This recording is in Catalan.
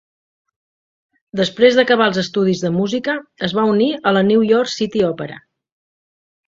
Després d'acabar els estudis de música, es va unir a la New York City Opera.